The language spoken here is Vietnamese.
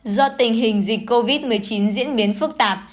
do tình hình dịch covid một mươi chín diễn biến phức tạp